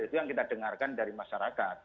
itu yang kita dengarkan dari masyarakat